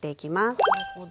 へなるほど。